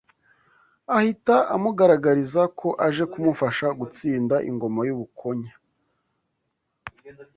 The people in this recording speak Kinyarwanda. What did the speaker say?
ahita amugaragariza ko aje kumufasha gutsinda Ingoma y’u Bukonya